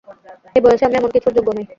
এই বয়সে আমি এমনকিছুর যোগ্য নই।